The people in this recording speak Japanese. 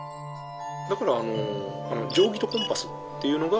だから定規とコンパスっていうのが。